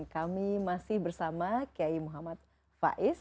kami masih bersama kiai muhammad faiz